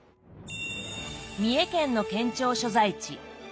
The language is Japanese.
三重県の県庁所在地津市。